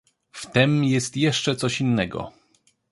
"W tem jest jeszcze coś innego."